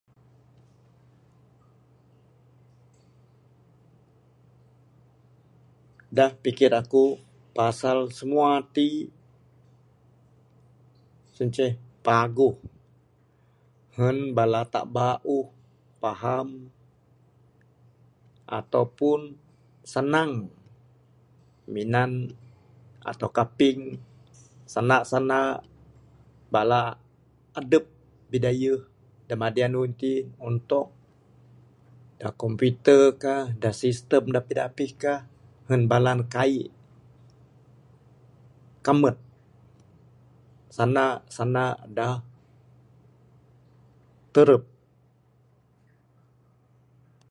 Da pikir aku, pasal semua ti sien inceh paguh. Hen bala taap bauh paham ataupun sanang minan atau kaping sanak sanak bala adep bidayeh da madi anu itin untuk da computer kah da sistem dangan dapih dapih kah hen bala ne kaik kamet sanak sanak da terep.